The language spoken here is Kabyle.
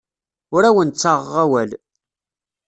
Ur awen-ttaɣeɣ awal.